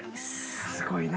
すごいな。